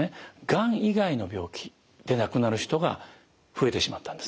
がん以外の病気で亡くなる人が増えてしまったんですね。